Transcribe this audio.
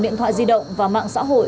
điện thoại di động và mạng xã hội